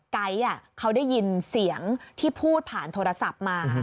ไก๊เขาได้ยินเสียงที่พูดผ่านโทรศัพท์มา